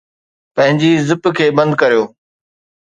پنھنجي زپ کي بند ڪريو